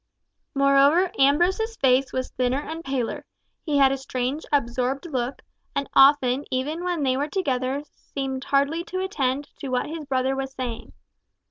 Moreover Ambrose's face was thinner and paler, he had a strange absorbed look, and often even when they were together seemed hardly to attend to what his brother was saying.